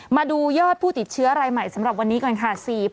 มาดูยอดผู้ติดเชื้อรายใหม่สำหรับวันนี้ก่อนค่ะ